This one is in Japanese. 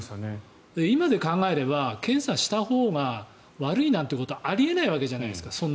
今で考えれば検査したほうが悪いなんてことはあり得ないじゃないですか。